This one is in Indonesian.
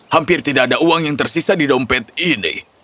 hampir tidak ada uang yang tersisa di dompet ini